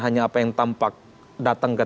hanya apa yang tampak datang ke